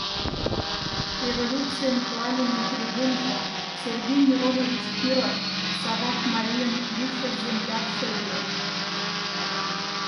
Революцийын пламенный трибунжо Сергей Миронович Киров Савак марийын лишыл землякше ыле.